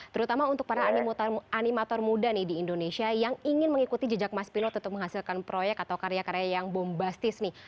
terutama untuk para animator muda nih di indonesia yang ingin mengikuti jejak mas pilot untuk menghasilkan proyek atau karya karya yang bombastis nih